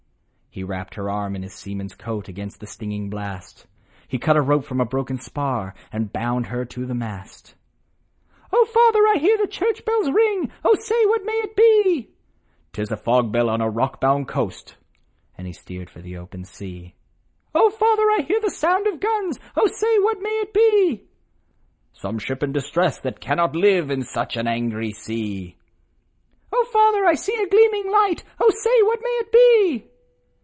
He wrapped her warm in his seaman's coat, Against the stinging blast ; He cut a rope from a broken spar, And bound her to the mast. 11 O father! I hear the church bells ring, O say ! what may it be ?' "'Tis a fog bell on a rock bound coast!" And he steered for the open sea. " O father! I hear the sound of guns, O say ! what may it be ?' 4 * Some ship in distress, that cannot live In such an angry sea !" "O father! I see a gleaming light, O say ! what may it be